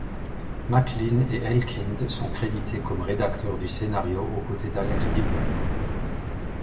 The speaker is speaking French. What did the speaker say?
McLean et Elkind sont crédités comme rédacteurs du scénario aux côtés d'Alex Gibney.